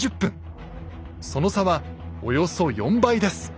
その差はおよそ４倍です。